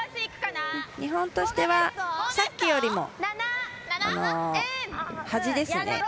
日本としてはさっきよりも端ですね。